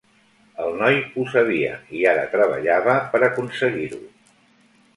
El noi ho sabia i ara treballava per aconseguir-ho.